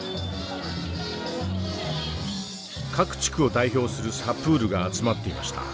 各地区を代表するサプールが集まっていました。